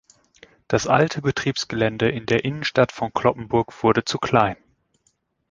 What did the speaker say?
Das alte Betriebsgelände in der Innenstadt von Cloppenburg wurde zu klein.